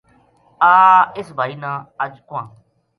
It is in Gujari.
آ ! اس بھائی نا اج کوہواں